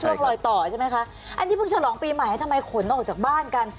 รอยต่อใช่ไหมคะอันนี้เพิ่งฉลองปีใหม่ทำไมขนออกจากบ้านกัน